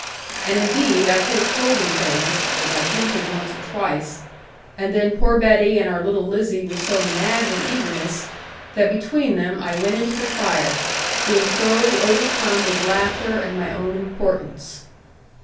And indeed I could have told them things, as I hinted once or twice; and then poor Betty and our little Lizzie were so mad with eagerness, that between them I went into the fire, being thoroughly overcome with laughter and my own importance.